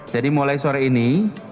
jadi mulai sore ini